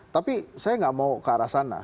tapi saya nggak mau ke arah sana